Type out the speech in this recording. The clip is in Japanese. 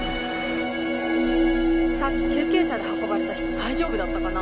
さっき救急車で運ばれた人大丈夫だったかな？